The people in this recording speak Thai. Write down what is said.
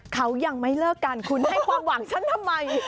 เขายังไม่เลิกกันคุณให้ความหวังฉันทำไม